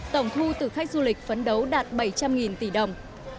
tổng thu từ khách du lịch phấn đấu đạt bảy trăm linh tỷ đồng